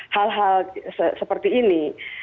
hal hal seperti ini